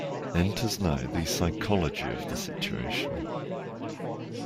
Enters now the psychology of the situation.